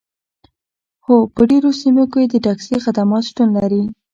هو په ډیرو سیمو کې د ټکسي خدمات شتون لري